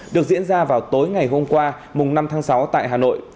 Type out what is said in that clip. được diễn ra vào tối ngày hôm qua năm tháng sáu tại hà nội